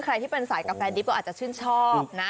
ใครที่เป็นสายกาแฟดิบก็อาจจะชื่นชอบนะ